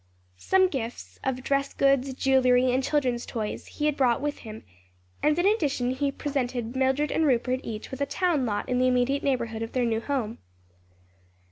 Some gifts of dress goods, jewelry and children's toys, he had brought with him, and in addition he presented Mildred and Rupert each with a town lot in the immediate neighborhood of their new home.